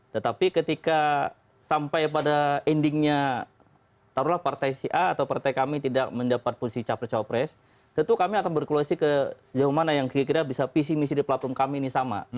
tetapi ketika sampai pada endingnya taruhlah partai si a atau partai kami tidak mendapat posisi capres capres tentu kami akan berkualisi ke sejauh mana yang kira kira bisa visi misi di platform kami ini sama